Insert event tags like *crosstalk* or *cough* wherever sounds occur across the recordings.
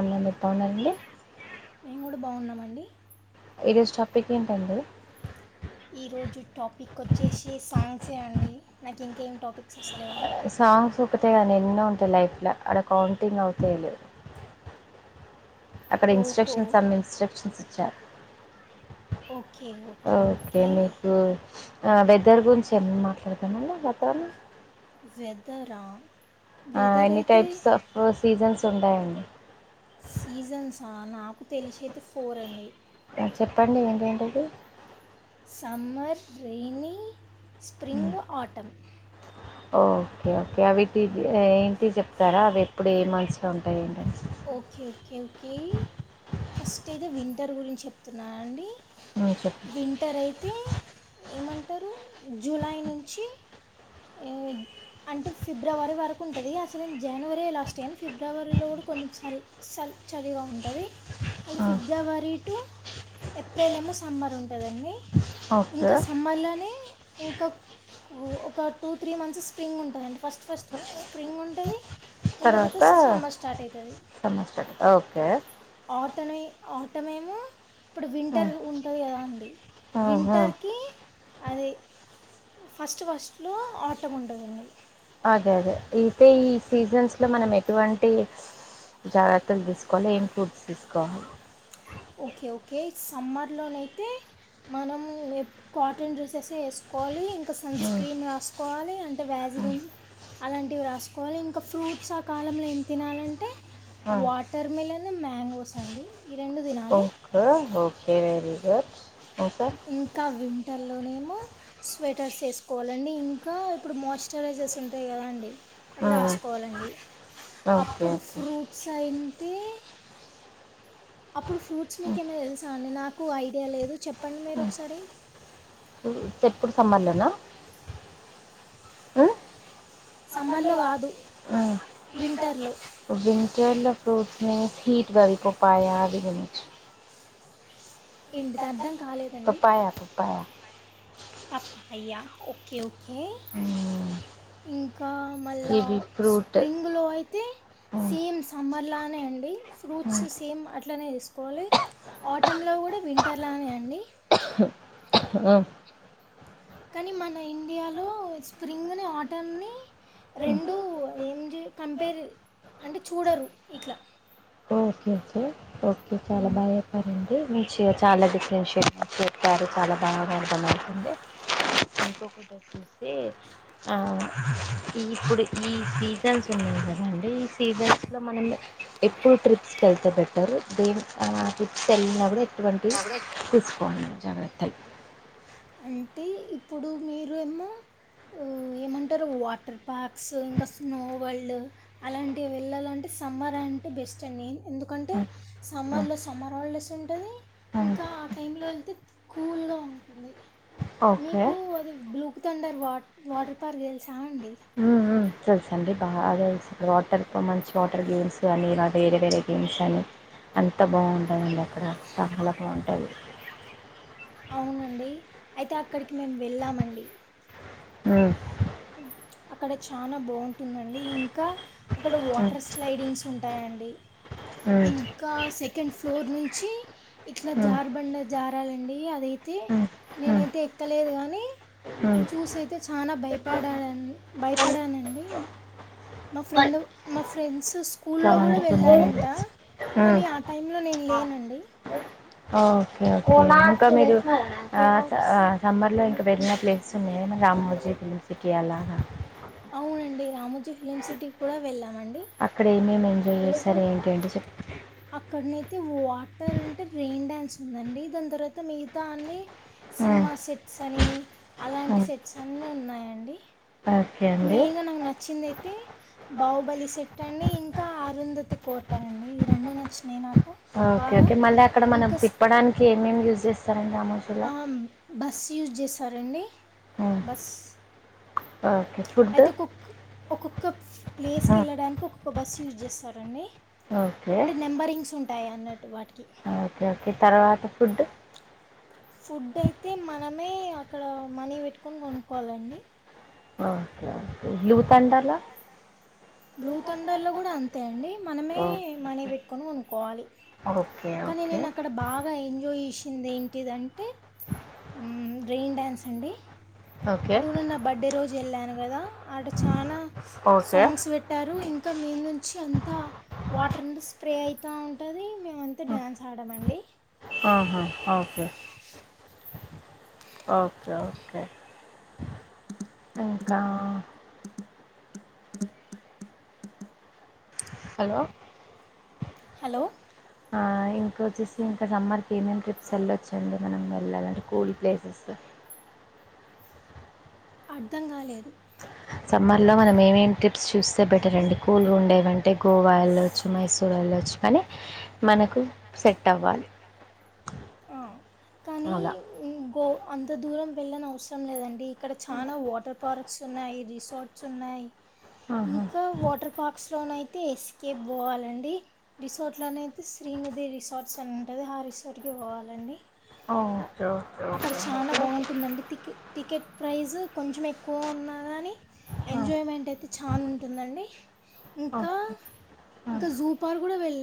అవును ఎప్పా ఉన్నారంండి మేము కూడా బాగున్నామండి ఈదేజ్ టాపిక్ ఏంటండి ఈ రోజు టాపిక్ వచ్చేసి సాంగ్స్ే అండి నాకు ఇంకేం టాపిక్స్ వస్తలేవుో సాంగ్స్ ఒకతే కాని ఎన్నో ఉంటాయి లైఫ్ లో అడ కౌంటింగ్ అవుతాయ లే అక్కడ ఇన్స్ట్రక్షన్స్ అమ్మ ఇన్స్ట్రక్షన్స్ ఇచ్చారు ఓకే ఓకే ఓకే వెదర్ గురించి ఏమ మాట్లాడదామమ్ వాతావరణం వెదరా ఎనీ టైప్స్ ఆఫ్ సీజన్స్ ఉంటాయండి నాకు తెలిసయితే ఫోర్ అండి చెప్పండి ఏంటేంటది summer rainy spring autumn okay okay అవిటి ఏంటి చెప్తారా అవి ఎప్పుడు ఏ మషలో ఉంటాయింటి ఓకే ఓకే ఓకే ఫస్ట్ ఏతే వింటర్ గురించి చెప్తున్నాను అండి చెప్పు వింటర్ అయితే ఏమంటారు జూలై నుంచి అంటే ఫిబ్రవరి వరకు ఉంటుంది అసలుేను జనవరి లాస్ట్ ఏను ఫిబ్రవరిలో కూడా కొంచెం సల్ స చలిగా ఉంటుంది మళ్ళీ ఫిబ్రవరి టు ఏప్రిల్ ఏమో సమ్మర్ ఉంటుందండి ఓకే ఇంకా సమ్మల్లోనే ఇంకా ఒక టూ త్రీ మంత్స్ స్ప్రింగ్ ఉంటుందిండి ఫస్ట్ ఫస్ట్ స్ప్రింగ్ ఉంటుంది దని తర్వాత సమ్మ స్టార్ట్ అయితుది సమ్మర్ స్టార్ట్ ఓకే ఆటనే అట్టమేము ఇప్పుడు వింటర్ ఉంటుంది కదా అండి వింటర్కి అది ఫస్ట్ ఫస్ట్లో ఆటో ఉంటందండి అదే అదే అయితే ఈ సీజన్స్ లో మనం ఎటువంటి జాగ్రత్తలు తీసుకోవాలి ఏం ఫుడ్స్ తీసుకోవాలి ఓకే ఓకే సమ్మర్ లోనైతే మనం కాటన్ డ్రెస్సెస్ వేసుకోవాలి ఇంకా సన్ మ్మ్ స్క్రీన్ రాసుకోాల కోాలి అంటే మ్మ్ వ్యాజిరం అలాంటివి రాసుకోవాలి ఇంకా ఫ్రూట్స్ ఆ కాలంలో ఏం తినాలంటే మ్మ్ వాటర్ మిలన్ మ్యాంగోస్ అండి ఈ రెండు దిన okay okay very good okay ఇంకా విం ంటల్లోనేమో స్వెటర్స్ వేసుకోవాలండి ఇంకా ఇప్పుడు మాయిశ్చరైజర్స్ ఉంటాయి కదా అండి అది మ్మ్ రాసుకోవాలండి ఓకే అప్పుడు ఓకే ఫ్రూట్స్ అయిే తె అప్పుడు ఫ్రూట్స్ మీకు ఏమైనా తెలుసా అండి నాకు ఐడియా లేదు చెప్పండి మీరు ఒకసారి ఎప్పుడు సంబధనా సమ్మర్లో కాదు వింటర్లో వింటర్ల ఫ్రూట్స్ హట్ బరికు పా అధ గుని రిచి ఇంంటి అద్దం పపాాయా పపాయా పప్ప అయ్యా ఓకే ఓకే మ్మ్ ఇంక్ ఇంకా మళ్ళా కివి ఫ్రూట్ స్ప్రింగ్ులో అయితే మ్మ్ సేమ్ సమ్మర్లానే అండి ఫ్రూట్స్ సేమ్ అట్లనే తీసుకోవాలి ఆటమ్ లో కూడా వింటర్లానే అండి ఆ కానీ మన ఇండియాలో స్ప్రింగ్ని వాటర్ని రెండు ఏం జె కంపేర్ అంటే చూడరు ఇట్లా ఓకే సొ ఓకే చాలా బాగాచెప్పారండి చాలా డిఫరెన్షియేట్ చేసి చెప్పారు చాలా బాగా అర్థమవుతుంది అనుకోకుండా చూస్తే ఆ ఇప్పుడు ఈ సీజన్స్ ఉన్నయి అది అండి ఈ సీజన్స్ లో మనం ఎప్పుడు ట్రిప్ తీసుకెళ్తే బెట్టర్ దే అ ట్రిప్స్కిెళ్ళిన కూడా ఎటువంటివి తీసుకోం మేము జబత *unintelligible* అంటే ఇప్పుడు మీరుఏమో ఉ ఏమంటారు వాటర్ పార్క్స్ ఇంకా స్నో వల్డ్ అలాంటివి వెళ్ళాలంటే సమ్మర్ అంటే బెస్ట్ అండి ఎందుకంటే సమ్మర్లో సమ్మర్ హాలిడేస్ ఉంటది ఇంకా ఆ టైంలో వెళ్తే కూల్గా ఉంటుంది ఓకే మీకు అది బ్లూక్థండర్ వాట్ వాటర్ పార్క్ తెలుసా అండి హ్మ్. హ్మ్. తెలుసండి బాగా తెలుసు వాటర్ మంచి వాటర్ గేమ్స్ కానీ ఇలా వేరే వేరే గేమ్స్ అని అంత బాగుంటాయండి అక్కడ చాలా బాగుంటాయి అవునండి అయితే అక్కడికి మేము వెళ్ళామండి అ అక్కడ చాలా బాగుంటుందండి ఇంకా అక్కడ హ్మ్. వాటర్ స్లైడింగ్స్ ఉంటాయండి హ్మ్. ఇంకా సెకండ్ ఫ్లోర్ నుంచి ఇట్లా హ్మ్. జార్బండ జారాలండి అదైతే అ హ్మ్. హ్మ్. నేనైతే ఎక్కలేదు కానీ హ్మ్. చూసి అయితే చానా భయపడానండి పడాడ భయపడానండి మా ఫ్రెండ్ మా ఫ్రెండ్స్ ఇట్లా స్కూల్లో కూడా వండుకునేది. వెళ్ళారంట కానీ ఆ టైంలో నేను లేనండి అ ఇంకా మీరు అ అ సమ్మర్ లో ఇంకా వెళ్ళిన ప్లేసెస్ ఉన్నాయా ఏమన్నా రామోజీ ఫిల్మ్ సిటీ అలాగ అవునండి రామోజీ ఫిలిమ్ సిటీకి కూడా వెళ్ళామండి అక్కడ ఏ మేమి ఎంజాయ్ చేసారు ఏంటి అండి చెప్త అక్కడనయితే వాటర్ అంటే రెయిన్ డాన్స్ ఉందండి దాని తర్వాత మిగతా అన్ని హ్మ్. సినిమా మా సెట్స్ అని అలాంటి హ్మ్. సెట్స్ అన్ని ఉన్నాయండి ఓకే అండి నచ్చిందయితే బాహుబలి సెట్ అండి ఇంకా ఆరుంధతి కోట అండి ఈ రెండు నచ్చినాయి నాకు ఓకే ఓకే మళ్లా అక్కడ మనం తిప్పడానికి ఏమేమి యూజ్ చేస్తారండి రామోజీ లో బస్సు యూజ్ చేస్తారండి ఉమ్, బస్ ఓకే ఫుడ్ ఒక్కొక్క ప్లేస్కి ఉమ్, వెళ్ళడానికి ఒక్కొక్క బస్సు యూజ్ చేస్తారండి ఓకే అంటే నెంబరింగ్స్ ఉంటాయి అన్నట్టు వాటికి ఓకే ఓకే తర్వాత ఫుడ్ ఫుడ్ అయితే మనమే అక్కడ మనీ పెట్టుకొని కొనుక్కోవాలండి ఓకే బ్లూ తండర్ లొ బ్లూ తండర్లో కూడా అంతే అండి మనమే మనీ పెట్టుకొని కొనుక్కోవాలి ఓకే ఓకే బాగా ఎంజాయ్ చేసింది ఏంటిదంటే ఉ రైయిన్ డ్యాన్స్ అండి ఓకే అది కూడా నా బర్త్డే రోజు వెళ్ళాను కదా ఆడ చానా ఓకే సాంగ్స్ పెట్టారు ఇంకా ఇంకా మీద నుంచి అంతా వాటర్ అంత స్ప్రే అయితా ఉంటది మేం అంతా డ్యాన్స్ ఆడామండి ఆహా ఓకే ఓకే ఓకే ఇంకా హలో హలో ఆ ఇంకా వచ్చేసి ఇంకా సమ్మర్కి ఏమేం ట్రిప్స్ వెళ్ళొచ్చండి మనం వెళ్ళాలంటే కూల్ ప్లేసెస్ అ అర్థం కాలేదు సమ్మర్లో మనం ఏమేమి ట్రిప్స్ చూస్తే బెటర్ అండి కూల్ గా ఉండేవంటే గోవా ఎళ్ళొచ్చు మైసూర్ ఎళ్ళొచ్చు. స్వలే మనకు సెట్ అవ్వాలి అవ్ లా గో అంత దూరం వెళ్ళనవసరం లేదండి ఇక్కడ చానా వాటర్ పార్క్స్ ఉన్నాయి, రిసార్ట్స్ ఉన్నాయి. ఆహా ఇంకా వాటర్ పార్క్స్ లోనయితే ఎస్కే పోవాలండి రిసార్ట్ లోనయితే శ్రీ ఈనదే రిసార్ట్స్ అని ఉంటుంది ఆ రిసార్ట్ కే పోవాలండి. ఓకే ఓక్ అక్కడ చానా బాగుంటుందండి టికె టికెట్ ప్రైస్ కొంచెం ఎక్కువ ఉన్న కానీ ఆ ఎంజాయ్మెంట్ అయితే చాన ఉంటుందండి ఇంకా ఓకే ఇంకా జూపార్ కూడా వెళ్ళ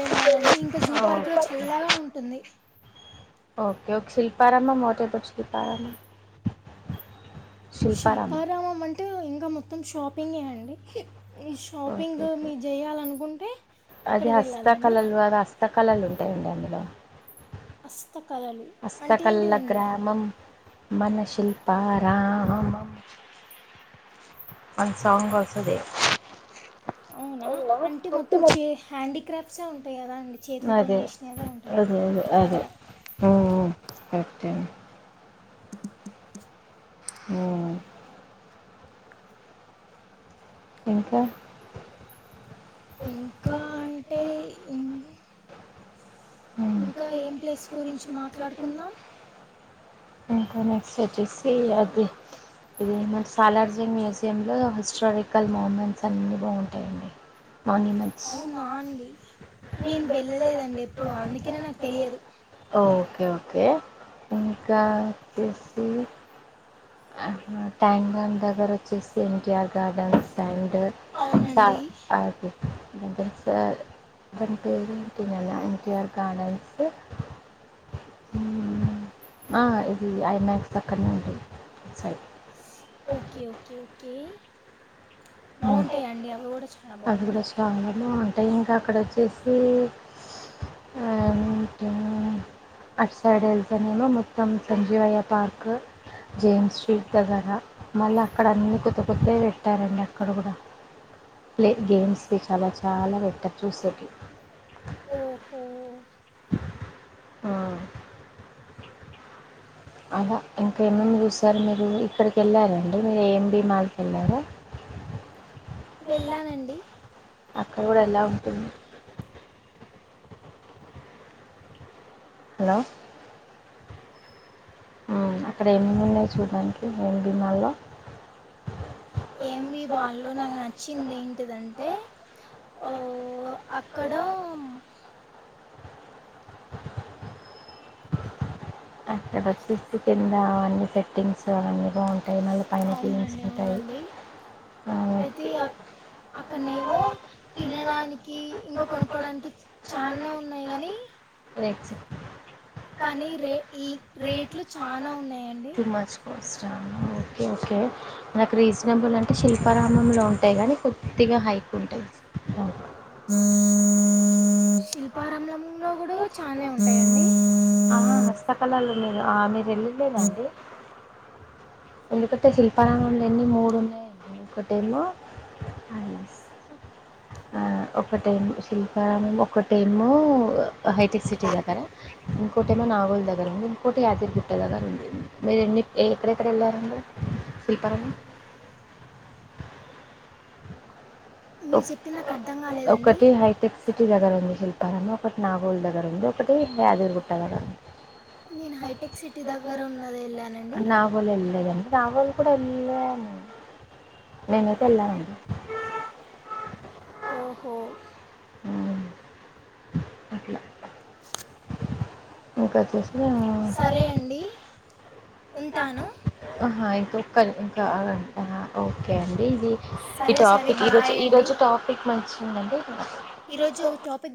వెళ్ళాలండి ఇంకా ఇంక జూ ఆ పార్కులో చల్లగా ఉంటుంది ఓకే ఒక శిల్పారామమ్ ఒకే బట్ శిల్పారామామ్ శిల్పారామమంటే ట్టు ఇంకా మొత్తం షాపింగేనండి, ఈ ఓకే షాపింగు ఓకే మీరు చేయాలనుకుంటే అది హస్తకళలు వేరే హస్తకళలు ఉంటాయండి అందులో అస్త హస్తకలలా గ్రామం మనశిల్పారామమ్ మన సాంగ్ వస్తది అవునా అంటే మొత్తం చే హ్యాండీక్రాఫ్ట్సే ఉంటాయి కదా అండి అదే అదే అదే అదే ఉం ఉ కరెక్టే ఉమ్ ఇంకా ఇంకా అంటే ఇం ఉమ్, ఇంకా ఏం ప్లేస్ గురించి మాట్లాడుకుందాం ఇంకా నెక్స్ట్ వచ్చేసి అది ఇదేమంటర్ సాలార్జుంగ్ మ్యూజియం లో హిస్టారికల్ మూమెంట్స్ అన్నీ బాగుంటాయండి ఆర్నిమెంట్స్ *unintelligible* ఇప్పుడు అందుకనే నాకు తెలియదు. ఓకే ఓకే ఇంకా వచ్చేసి అట్నా ట్యాంక్ బండ్ దగ్గర వచ్చేసి ఎన్టీఆర్ గార్డెన్స్ ఆండ్ సా అది *unintelligible* సార్ దాని పేరు పెట్టిందే ఎన్ టి అర్ గార్డెన్స్ ఆ ఇది ఐ మ్యాక్స్ పక్కన్నే ఉంటది సైట్ ఓకే ఓకే ఓకే బాగుంటాయా అండి అవి కూడా చ అది కూడా చాలానే ఉంటాయి ఇంకా అక్కడ వచ్చేసి అంటే అటు సైడ్ వెళ్తేనేమో మొత్తం సంజీవయ్య పార్క్ జేమ్స్ స్ట్రీట్ దగ్గర మళ్ళ అక్కడ అన్నీ కొత్త కొత్తయే పెట్టారండి అక్కడ కూడా ప్లే గేమ్స్ వి చాలా చాలా పెట్టార్ చూసేకి ఓహో అలా ఇంకా ఏం ఏమి చూసారు మీరు ఇక్కడికి వెళ్ళారండి మీరు ఏఎంబీ మాల్ కి వెళ్ళారా వెళ్ళానండి అక్కడ కూడా ఎలా ఉంటుంది. హలో అక్కడ ఏం ఏం ఉన్నాయి చూడ్డానికి ఏ ఏం బి మాల్ లో ఏ ఎం బి బాల్లో నాకు నచ్చింది ఏంటిదంటే ఓ అక్కడా మ్ ఇక్కడ ఒచ్చేసి కిందా అన్నీ సెట్టింగ్స్ అలా అన్ని బావుం పైనోళ్లు పైనే కీన్స్ మిటాయి అయితే అప్ అక్కడ్నేమో తినడానికి ఇంకా కొనుక్కోడానికి చాన్నే ఉన్నాయి కాని రెక్సు కానీ రే ఇల్ రేట్లు చానా ఉన్నాయండి టూ మచ్ కాస్టా ఆ ఒ ఓకే నాకు రీజనబుల్ అంటే శిల్పారామంలో ఉంటాయి కానీ కొద్దిగా హైక్ ఉంటాయి అవును శిల్పారామ్లాం లో కూడా ఛానె ఉంటాయా అండీ ఆ హస్తకళలు లేరు మీరు వెళ్ళలేదా కూడా అండి ఎందుకంటే శిల్పారామంలో ఎన్ని మూడు ఉన్నాయండి ఒకటేమో థాంక్స్ అ అవునా ఆ ఒకటేమో శిల్పారామం ఒకటేమో హైటెక్ సిటీ దగ్గర ఇంకో టమో నాగోల్ దగ్గర ఉంది ఇంకోటి యాదరిగుట్ట దగ్గర ఉంది మీరు ఎన్ని ఏ ఎక్కడెక్కడ వెళ్ళారండి శిల్పారామం మీర్ ఒక్ చెప్పిన ఒకటి హైటెక్ సి టి దగ్గర ఉంది శిల్పారమం ఒకటి నాగోల్ దగ్గర ఉంది ఒకటి యాదగిరిగుట్ట దగ్గర ఉంది నేను హైటెక్ సిటీ దగ్గర ఉన్నది ఎళ్ళా అంటే నాగోల్ వెళ్ళలేద అండి నాగోల్ కూడా వెళ్ళేను నేనైతే వెళ్ళానండి ఓహో ఇంకచ్చేసి సరే అండి ఉంటాను అహా ఇంకొకరు ఇంకా ఆ అహ ఓకే అండి ఇది ఈ టాపిక్ ఈ రోజు ఈ రోజు టాపిక్ మంచిగుందండి ఈ రోజు టాపిక్